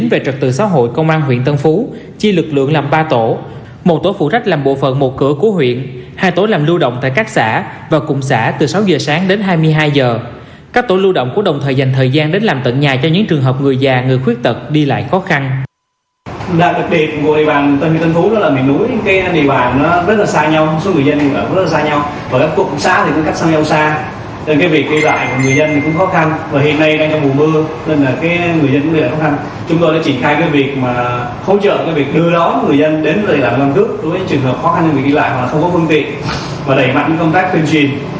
với trường hợp khó khăn như việc đi lại hoặc không có phương tiện và đẩy mạnh công tác tuyên trình